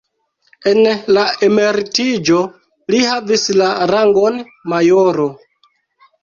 En la emeritiĝo li havis la rangon majoro.